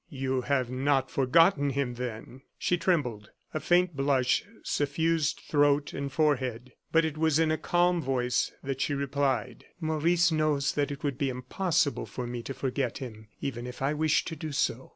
"You have not forgotten him, then?" She trembled; a faint blush suffused throat and forehead, but it was in a calm voice that she replied: "Maurice knows that it would be impossible for me to forget him, even if I wished to do so."